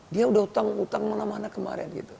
dia udah utang utang mana mana kemarin gitu